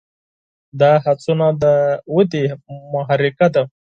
دا هڅونه د ودې محرکه ده.